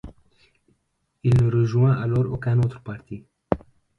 Il ne rejoint alors aucun autre parti.